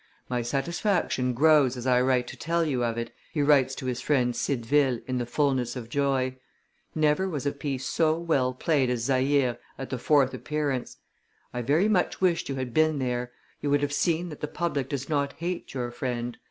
"My satisfaction grows as I write to tell you of it," he writes to his friend Cideville in the fulness of joy: "never was a piece so well played as Zaire at the fourth appearance. I very much wished you had been there; you would have seen that the public does not hate your friend.